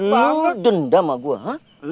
lu dendam sama gue